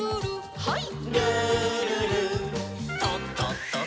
はい。